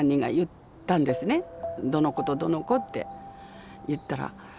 どの子とどの子って言ったら。